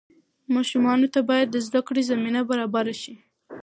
ماشومانو ته باید د زدهکړې زمینه برابره شي.